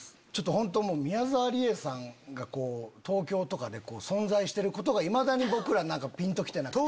本当宮沢りえさんが東京とかで存在してることがいまだに僕らピンと来てなくて。